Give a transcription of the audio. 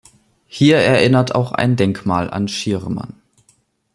Hier erinnert auch ein Denkmal an Schirrmann.